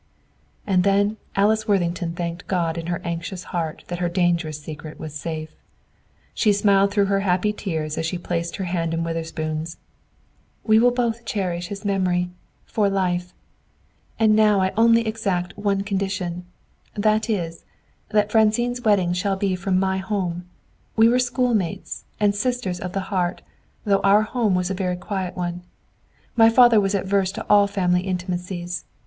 And then Alice Worthington thanked God in her anxious heart that her dangerous secret was safe. She smiled through her happy tears as she placed her hand in Witherspoon's. "We will both cherish his memory, for life! And I now only exact one condition: that is, that Francine's wedding shall be from my home. We were schoolmates, and sisters of the heart, though our home was a very quiet one. My father was averse to all family intimacies.